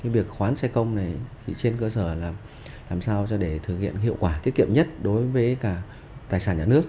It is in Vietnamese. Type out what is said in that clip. việc khoán xe công trên cơ sở làm sao để thực hiện hiệu quả tiết kiệm nhất đối với tài sản nhà nước